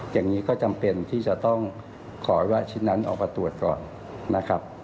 อย่างนี้ก็จำเป็นที่จะต้องขอให้ว่าชิ้นนั้นออกมาตรวจก่อนนะครับ